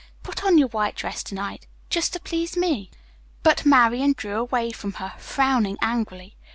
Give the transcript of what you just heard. Put on your white dress to night, just to please me." But Marian drew away from her, frowning angrily.